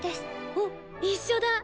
おっ一緒だ！